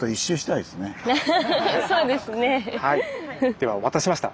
ではお待たせしました！